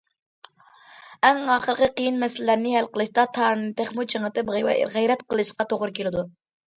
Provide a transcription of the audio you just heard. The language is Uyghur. ئەڭ ئاخىرقى قىيىن مەسىلىلەرنى ھەل قىلىشتا، تارىنى تېخىمۇ چىڭىتىپ، غەيرەت قىلىشقا توغرا كېلىدۇ.